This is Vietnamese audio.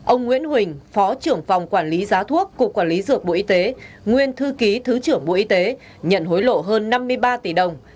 ông nguyễn huỳnh phó trưởng phòng quản lý giá thuốc cục quản lý dược bộ y tế nguyên thư ký thứ trưởng bộ y tế nhận hối lộ hơn năm mươi ba tỷ đồng